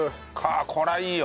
これはいいよ。